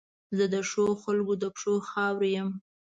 زه د ښو خلګو د پښو خاورې یم.